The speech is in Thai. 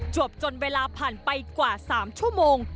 วบจนเวลาผ่านไปกว่า๓ชั่วโมง